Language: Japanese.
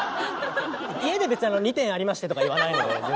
家で別に「２点ありまして」とか言わないので全然。